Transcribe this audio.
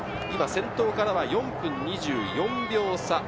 今、先頭からは４分２４秒差。